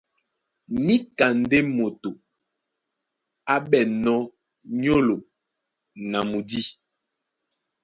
Níka ndé moto á ɓɛ̂nnɔ́ nyólo na mudî.